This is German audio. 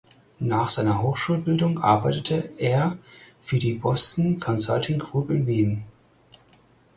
Nach seiner Hochschulbildung arbeitete er für die Boston Consulting Group in Wien.